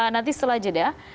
nanti setelah jeda